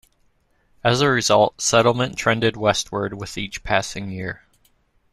As a result, settlement trended westward with each passing year.